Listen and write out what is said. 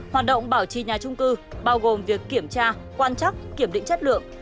hoạt động bảo trì nhà trung cư bao gồm việc kiểm tra quan chắc kiểm định chất lượng